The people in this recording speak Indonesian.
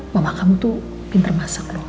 mama kamu tuh pinter masak